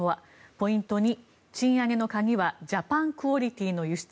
ポイント２、賃上げの鍵はジャパン・クオリティーの輸出。